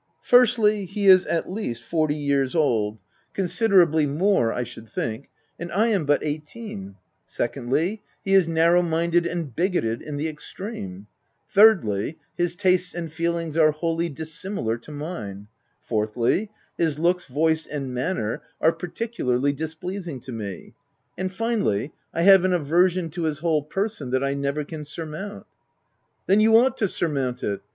" Firstly, he is, at least, forty years old — considerably more I should think, and I am but eighteen : secondly, he is narrow minded and bigoted in the extreme ; thirdly, his tastes and feelings are wholly dissimilar to mine ; fourthly, his looks, voice, and manner are par ticularly displeasing to me ; and finally, I have an aversion to his whole person that I never can surmount," * Then you ought to surmount it